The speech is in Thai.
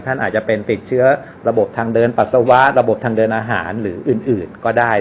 อาจจะเป็นติดเชื้อระบบทางเดินปัสสาวะระบบทางเดินอาหารหรืออื่นก็ได้